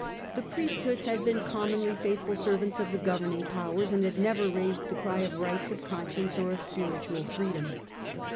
The priesthoods had been commonly faithful servants of the governing powers, and had never raised the cry of rights of con science or of spiritual freedom.